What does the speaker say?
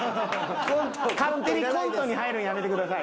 勝手にコントに入るんやめてください。